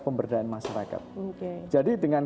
pemberdayaan masyarakat jadi dengan